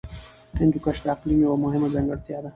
هندوکش د اقلیم یوه مهمه ځانګړتیا ده.